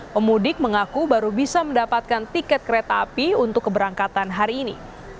pemudik mengaku baru bisa mendapatkan tiket kereta api untuk keberangkatan hari ini